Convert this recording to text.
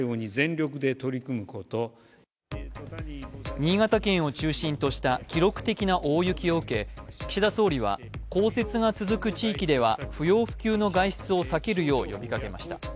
新潟県を中心とした記録的な大雪を受け岸田総理は降雪が続く地域では不要不急の外出を避けるよう呼びかけました。